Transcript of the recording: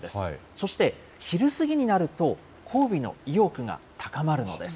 そして昼過ぎになると、交尾の意欲が高まるんです。